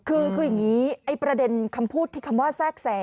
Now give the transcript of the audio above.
คืออย่างนี้ไอ้ประเด็นคำพูดที่คำว่าแทรกแสง